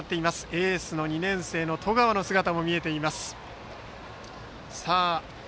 エースの２年生の十川の姿も見えていました。